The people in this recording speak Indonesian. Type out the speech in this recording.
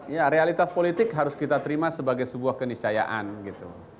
ya realitas politik harus kita terima sebagai sebuah keniscayaan gitu